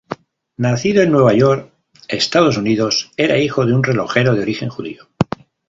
Nacido en Nueva York, Estados Unidos, era hijo de un relojero de origen judío.